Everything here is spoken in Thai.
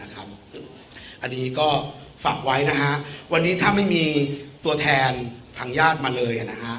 อันนี้ก็ฝากไว้นะฮะวันนี้ถ้าไม่มีตัวแทนทางญาติมาเลย